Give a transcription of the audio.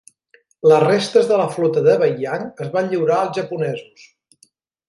Les restes de la flota de Beiyang es van lliurar als japonesos.